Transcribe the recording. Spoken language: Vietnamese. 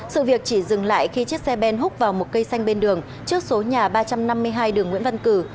sự việc chỉ dừng lại khi chiếc xe ben hút vào một cây xanh bên đường trước số nhà ba trăm năm mươi hai đường nguyễn văn cử